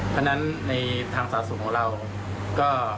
เพราะฉะนั้นทางศาสนส่องของเราก็